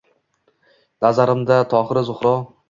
Nazarimda Tohiru Zuhro –